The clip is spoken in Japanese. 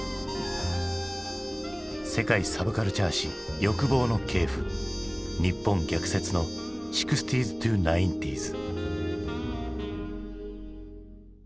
「世界サブカルチャー史欲望の系譜日本逆説の６０−９０ｓ」。